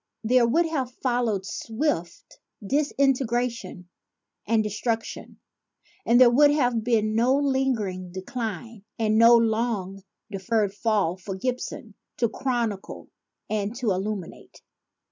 There would have followed swift disintegration and destruc tion; and there would have been no lingering Decline and no long deferred Fall for Gibbon to chronicle and to illuminate.